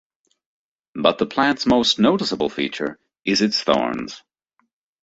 But the plant's most noticeable feature is its thorns.